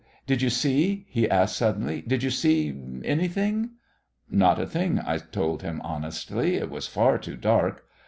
Did you see," he asked suddenly; "did you see anything?" "Not a thing," I told him honestly. "It was far too dark."